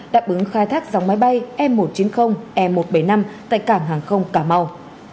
đáp ứng khai thác dòng máy bay e một trăm chín mươi e một trăm bảy mươi năm tại cảng hàng không cà mau